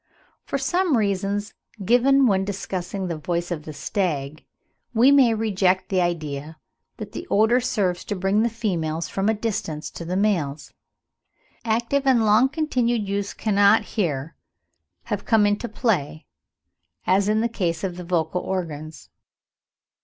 From the reasons given when discussing the voice of the stag, we may reject the idea that the odour serves to bring the females from a distance to the males. Active and long continued use cannot here have come into play, as in the case of the vocal organs.